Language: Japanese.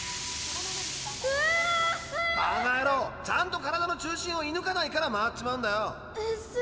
ちゃんと体の中心をいぬかないから回っちまうんだよ。